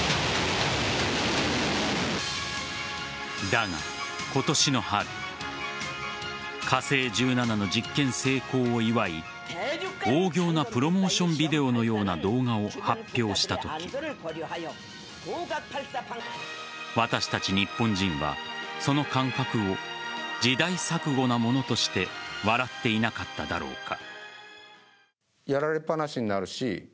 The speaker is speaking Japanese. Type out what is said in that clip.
だが、今年の春火星１７の実験成功を祝い大仰なプロモーションビデオのような動画を発表したとき私たち日本人はその感覚を時代錯誤なものとして笑っていなかっただろうか。